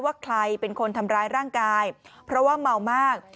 ว่าใครเป็นคนทำร้ายร่างกายเพราะว่าเมามาก